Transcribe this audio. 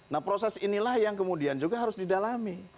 nah proses inilah yang kemudian juga harus didalami